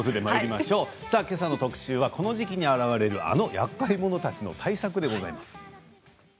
けさの特集はこの時期に現れるあのやっかい者たちの対策です。